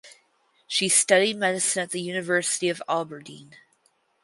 She studied medicine at the University of Aberdeen.